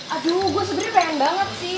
aduh gue sebenarnya pengen banget sih